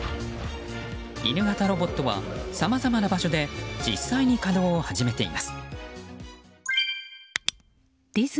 犬型ロボットはさまざまな場所で実際に稼働を始めています。